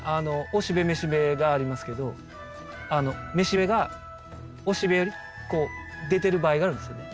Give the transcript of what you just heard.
雄しべ雌しべがありますけど雌しべが雄しべよりこう出てる場合があるんですよね。